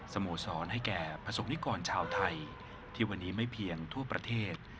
สโมสรให้แก่ประสบนิกรชาวไทยที่วันนี้ไม่เพียงทั่วประเทศ